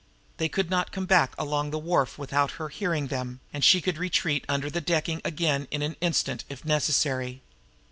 They could not come back along the wharf without her hearing them, and she could retreat under the decking again in an instant, if necessary.